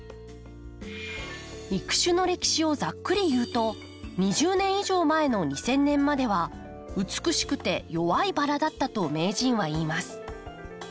育種の歴史をざっくり言うと２０年以上前の２０００年までは美しくて弱いバラだったと名人は言います。